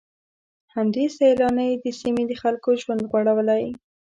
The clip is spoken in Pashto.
همدې سيلانۍ د سيمې د خلکو ژوند غوړولی.